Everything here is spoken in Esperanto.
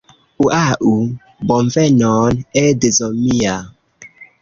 Ŭaŭ! Bonvenon edzo mia